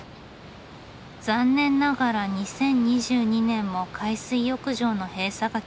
残念ながら２０２２年も海水浴場の閉鎖が決まりました。